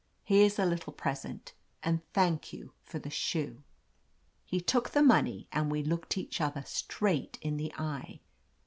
Here's a little present, and thank you for the shoe." He took the money and we looked each other straight in the eye.